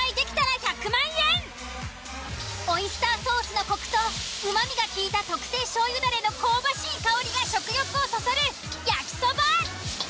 オイスターソースのコクと旨味がきいた特製醤油ダレの香ばしい香りが食欲をそそる焼そば。